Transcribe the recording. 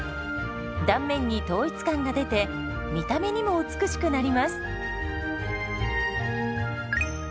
断面に統一感が出て見た目にも美しくなります。